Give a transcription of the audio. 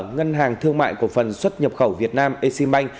ngân hàng thương mại cổ phần xuất nhập khẩu việt nam exim bank